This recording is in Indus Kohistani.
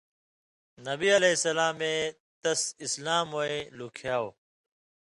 نبیؑ اے تس اِسلاموَیں لُکھیاؤ۔